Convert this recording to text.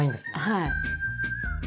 はい。